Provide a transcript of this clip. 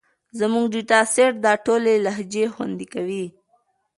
زموږ ډیټا سیټ دا ټولې لهجې خوندي کوي.